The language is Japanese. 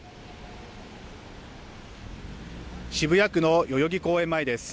渋谷区の代々木公園前です。